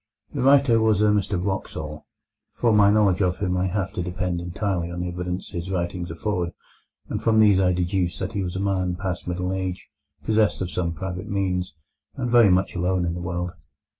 The writer was a Mr Wraxall. For my knowledge of him I have to depend entirely on the evidence his writings afford, and from these I deduce that he was a man past middle age, possessed of some private means, and very much alone in the world.